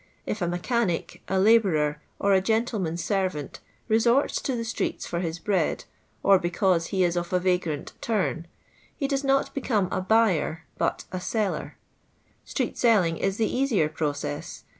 If a mechanic, a labourer, or a gentleman's servant, resorts to the streets for his bread, or because ho is of a vagrant " turn," he does not become a buyer, but a ttUa . Street selling is the easier process.